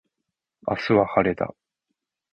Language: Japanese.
明日は晴れだ。